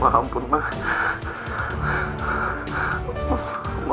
maafin pangeran ma